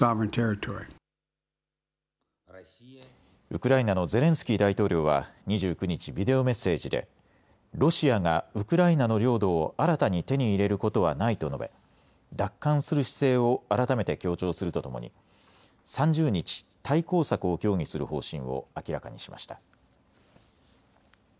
ウクライナのゼレンスキー大統領は２９日、ビデオメッセージでロシアがウクライナの領土を新たに手に入れることはないと述べ奪還する姿勢を改めて強調するとともに３０日、対抗策を協議する方針を明らかにしました。